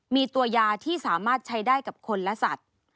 มีตัวยาที่สามารถใช้ได้กับคนและสัตว์